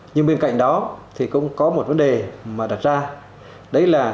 nhưng bên cạnh đó thì cũng có một vấn đề mà đặt ra